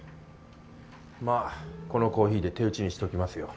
まあこのコーヒーで手打ちにしときますよ。